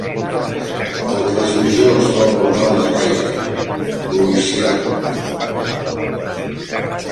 El transmissor es troba al nord de Rayne, Luisiana.